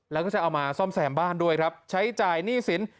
แล้วก็จะเอามาซ่อมแซมบ้านด้วยครับใช้จ่ายหนี้สิน